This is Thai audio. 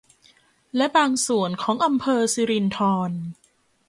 และบางส่วนของอำเภอสิรินธร